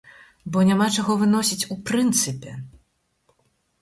Бо няма чаго выносіць у прынцыпе!